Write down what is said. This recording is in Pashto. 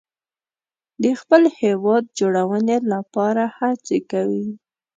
د خپل هیواد جوړونې لپاره هڅې کوي.